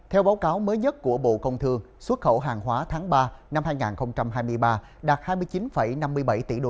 theo báo cáo mới nhất của bộ công thương xuất khẩu hàng hóa tháng ba năm hai nghìn hai mươi ba đạt hai mươi chín năm mươi bảy tỷ usd